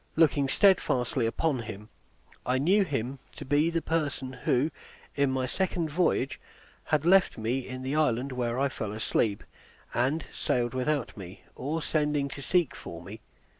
Looking steadfastly upon him, I knew him to be the person who, in my second voyage, had left me in the island where I fell asleep, and sailed without me, or sending to seek for me.